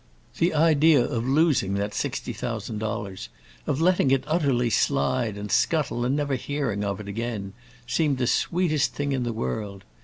The idea of losing that sixty thousand dollars, of letting it utterly slide and scuttle and never hearing of it again, seemed the sweetest thing in the world.